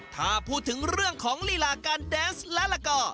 ถ้าพูดถึงเรื่องของลีลาการแดนส์และละกอ